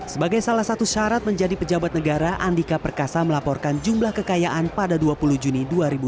sebagai salah satu syarat menjadi pejabat negara andika perkasa melaporkan jumlah kekayaan pada dua puluh juni dua ribu dua puluh